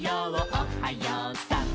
おはようさん」